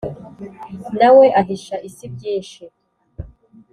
na we ahisha isi byinshi